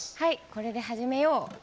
これで始めよう。